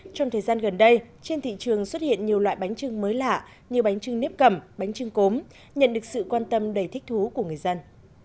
trong thời gian gần đây trên thị trường xuất hiện nhiều loại bánh trưng mới lạ như bánh trưng nếp cầm bánh trưng cốm nhận được sự quan tâm đầy thích thú của người dân